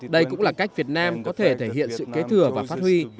đây cũng là cách việt nam có thể thể hiện sự kế thừa và phát huy